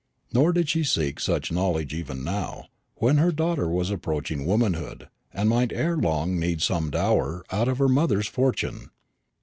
Nor did she seek such knowledge even now, when her daughter was approaching womanhood, and might ere long need some dower out of her mother's fortune.